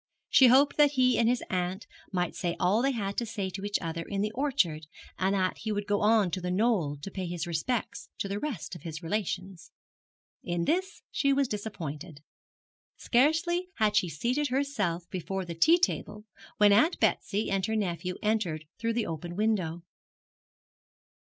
She hoped that he and his aunt might say all they had to say to each other in the orchard, and that he would go on to The Knoll to pay his respects to the rest of his relations. In this she was disappointed. Scarcely had she seated herself before the tea table when Aunt Betsy and her nephew entered through the open window.